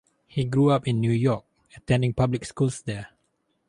He grew up in New York attending public schools there.